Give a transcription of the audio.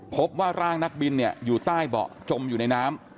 พบว่าร่างนักบินอยู่ใต้เบาะจมอยู่ในน้ำ